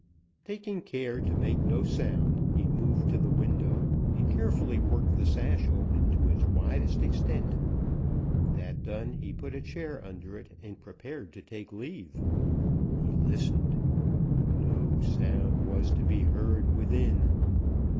Taking care to make no sound, he moved to the window and carefully worked the sash open to its widest extent. That done, he put a chair under it and prepared to take leave. He listened. No sound was to be heard within.